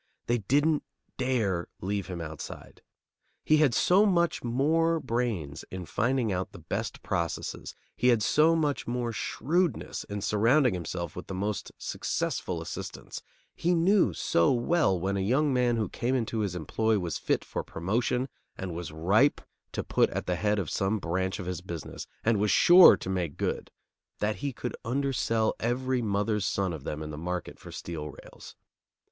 They didn't dare leave him outside. He had so much more brains in finding out the best processes; he had so much more shrewdness in surrounding himself with the most successful assistants; he knew so well when a young man who came into his employ was fit for promotion and was ripe to put at the head of some branch of his business and was sure to make good, that he could undersell every mother's son of them in the market for steel rails.